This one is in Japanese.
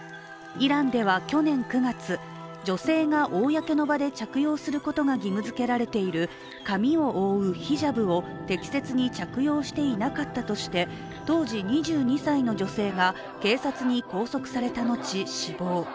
イランでは去年９月、女性が公の場で着用することが義務づけられている髪を覆うヒジャブを適切に着用していなかったとして当時２２歳の女性が警察に拘束された後、死亡。